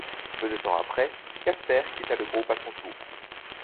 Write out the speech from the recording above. Peu de temps après, Casper quitta le groupe à son tour.